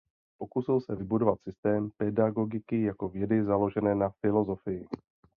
Pokusil se vybudovat systém pedagogiky jako vědy založené na filozofii.